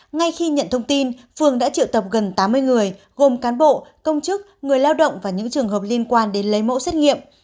ngay khi nhận thông tin phường đã triệu tập gần tám mươi người gồm cán bộ công chức người lao động và những trường hợp liên quan đến lấy mẫu xét nghiệm